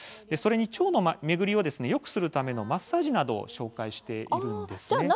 それに腸の巡りをよくするためのマッサージなどを紹介しています。